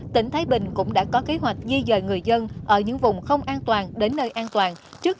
tỉnh thái bình cũng đã có kế hoạch di dời người dân ở những vùng không an toàn